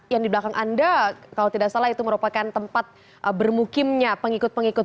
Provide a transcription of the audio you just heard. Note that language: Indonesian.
yang di belakang anda kalau tidak salah itu merupakan tempat bermukimnya pengikut pengikut